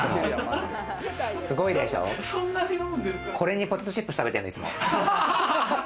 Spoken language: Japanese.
これにポテトチップス食べてるのよ、いつも。